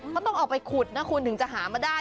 เขาต้องออกไปขุดนะคุณถึงจะหามาได้